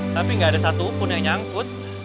tapi nggak ada satupun yang nyangkut